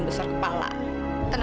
tidur kali dia